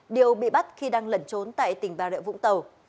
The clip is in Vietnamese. điều bị bắt khi đang lẩn trốn tại tỉnh bà rịa vũng tàu